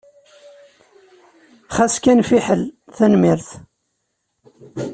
Xas kan fiḥel! Tanemmirt.